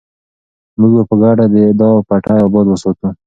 موږ به په ګډه دا پټی اباد وساتو.